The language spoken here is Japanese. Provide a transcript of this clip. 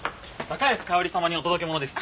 高安かおり様にお届け物です。